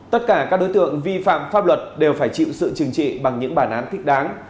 tất cả các đối tượng vi phạm pháp luật đều phải chịu sự trừng trị bằng những bản án thích đáng